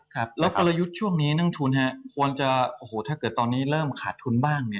ครับแล้วกลยุทธ์ช่วงนี้นั่งทุนควรจะโอ้โหถ้าเกิดตอนนี้เริ่มขาดทุนบ้าง